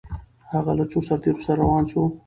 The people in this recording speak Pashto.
هغه له څو سرتیرو سره روان سو؟